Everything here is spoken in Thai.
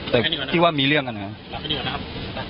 แต่คิดว่ามีเรื่องกันนะ